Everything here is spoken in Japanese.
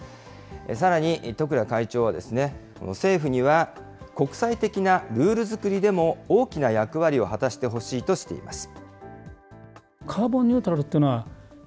さらに十倉会長は、政府には国際的なルール作りでも大きな役割を果たしてほしいとしています。